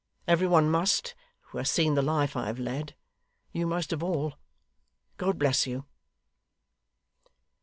Every one must, who has seen the life I have led you most of all. God bless you!